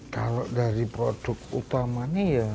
kalau dari produk utamanya ya